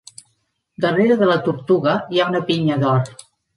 Darrere de la tortuga hi ha una pinya d'or.